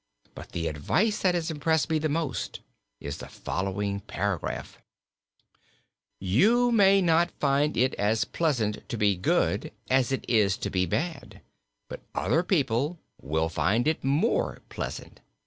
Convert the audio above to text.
But the advice that has impressed me the most is in the following paragraph: 'You may not find it as Pleasant to be Good as it is to be Bad, but Other People will find it more Pleasant.'